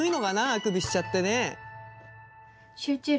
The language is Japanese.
あくびしちゃってね。